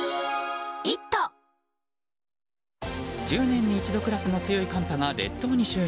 １０年に一度クラスの強い寒波が東京に襲来。